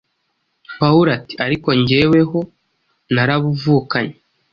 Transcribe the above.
Pawulo ati ‘Ariko jyeweho narabuvukanye.’